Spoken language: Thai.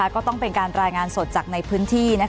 ก็ต้องเป็นการรายงานสดจากในพื้นที่